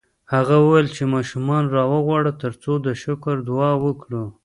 هغه وویل چې ماشومان راوغواړه ترڅو د شکر دعا وکړو